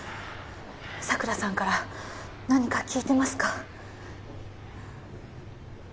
佐倉さんから何か聞いてますか？